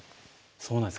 そうなんです